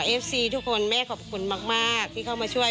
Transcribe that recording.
เอฟซีทุกคนแม่ขอบคุณมากที่เข้ามาช่วย